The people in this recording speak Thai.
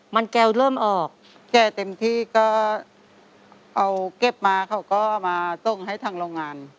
มันแก้วเริ่มออกแก้วเต็มที่ก็เอาเก็บมาเขาก็เอามาส่งให้ทางโรงงาน